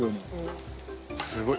すごい。